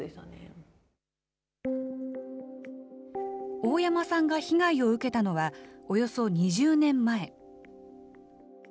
大山さんが被害を受けたのは、およそ２０年前。